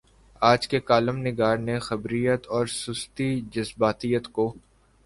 آج کے کالم نگار نے خبریت اورسستی جذباتیت کو